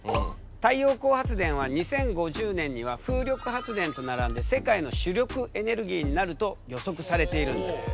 太陽光発電は２０５０年には風力発電と並んで世界の主力エネルギーになると予測されているんだ。